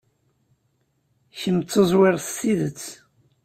Kemm d tuẓwirt s tidet.